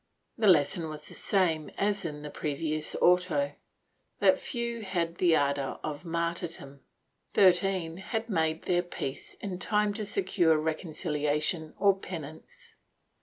The lesson was the same as in the previous auto, that few had the ardor of martyrdom. Thirteen had made their peace in time to secure reconciliation or penance.